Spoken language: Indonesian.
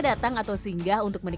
ya enak soalnya untuk tadi